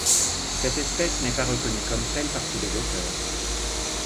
Cette espèce n'est pas reconnue comme telle par tous les auteurs.